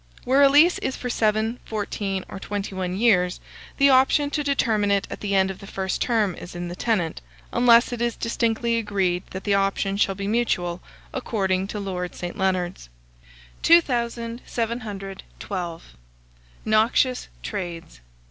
Where a lease is for seven, fourteen, or twenty one years, the option to determine it at the end of the first term is in the tenant, unless it is distinctly agreed that the option shall be mutual, according to Lord St. Leonards. 2712. NOXIOUS TRADES.